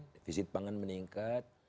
defisit pangan meningkat